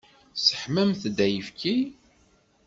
Tesseḥmamt-d ayefki?